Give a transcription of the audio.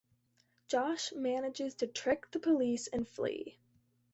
Josh manages to trick the police and flee.